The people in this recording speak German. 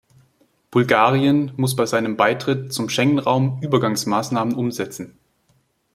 Bulgarien muss bei seinem Beitritt zum Schengen-Raum Übergangsmaßnahmen umsetzen.